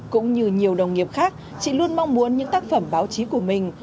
cũng như nhiều đồng nghiệp khác chị luôn mong muốn những tác phẩm báo chí của mình